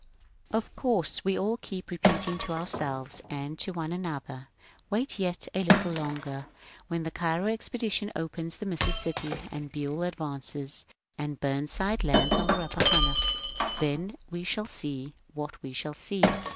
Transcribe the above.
Of course, we all keep repeating to ourselves and to one another :^^ Wait yet a little longer. When the Cairo expedition opens the Mississippi, and BueU advances, and Bumside lands on the Rappahannock, etc., etc., then we shall see what we shall see.